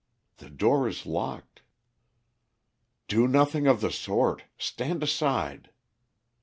The door is locked." "Do nothing of the sort. Stand aside."